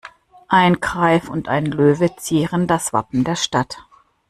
Ein Greif und ein Löwe zieren das Wappen der Stadt.